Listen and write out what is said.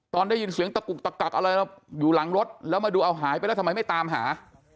ตอนได้ยินเสียงตะกุกตะกักอะไรอยู่หลังรถแล้วมาดูเอาหายไปแล้วทำไมไม่ตามหา